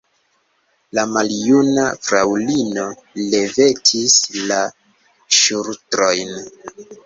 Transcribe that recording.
La maljuna fraŭlino levetis la ŝultrojn.